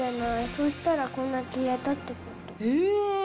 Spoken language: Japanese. そうしたらこんなに消えたってこと。